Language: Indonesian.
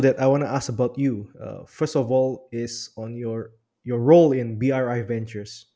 bagaimana anda memiliki peran di bri ventures